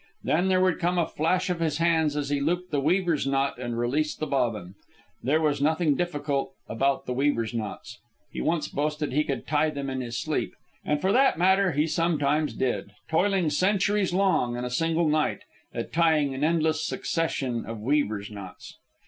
Then there would come a flash of his hands as he looped the weaver's knot and released the bobbin. There was nothing difficult about weaver's knots. He once boasted he could tie them in his sleep. And for that matter, he sometimes did, toiling centuries long in a single night at tying an endless succession of weaver's knots.